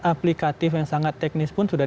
aplikatif yang sangat teknis pun sudah